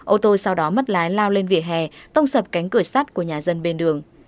ô tô sau đó mất lái lao lên vỉa hè tông sập cánh cửa sắt của nhà dân bên đường